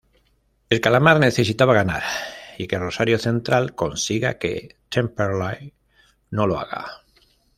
El Calamar necesitaba ganar, y que Rosario Central consiga que Temperley no lo haga.